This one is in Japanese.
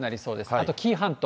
あと紀伊半島。